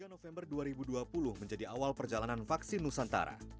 dua puluh november dua ribu dua puluh menjadi awal perjalanan vaksin nusantara